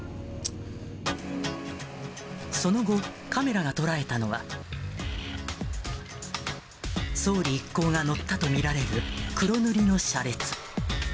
その後、カメラが捉えたのは、総理一行が乗ったと見られる黒塗りの車列。